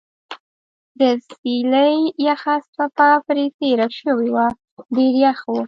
د څېلې یخه څپه برې تېره شوې وه ډېر یخ و.